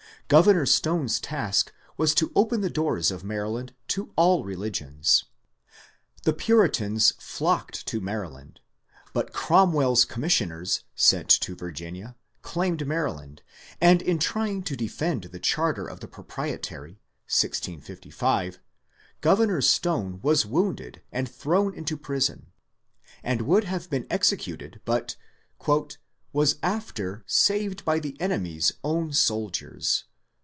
Governor Stone's task was to open the doors of Maryland to all religions. The Puritans flocked to Maryland ; but Cromwell's commissioners, sent to Virginia, claimed Maryland, and in trying to defend the charter of the Pro prietary (1655), Governor Stone was wounded and thrown into prison, and would have been executed, but '^ was after saved by the Enemies owne souldiers."